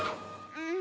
うん。